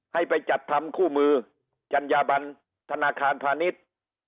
ให้ไปจัดทำคู่มือจัญญาบันธนาคารพาณิชย์